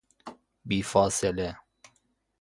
بی فاصله